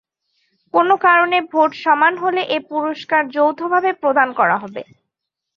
কোন কারণে ভোট সমান হলে এ পুরস্কার যৌথভাবে প্রদান করা হবে।